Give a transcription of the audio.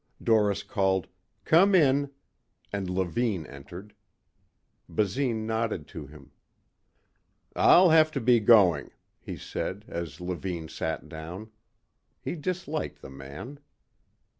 Doris called, "Come in," and Levine entered. Basine nodded to him. "I'll have to be going," he said as Levine sat down. He disliked the man.